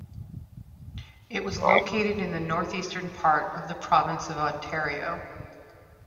It was located in the northeastern part of the province of Ontario.